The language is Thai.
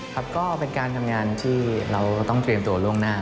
ครับก็เป็นการทำงานที่เราต้องเตรียมตัวล่วงหน้า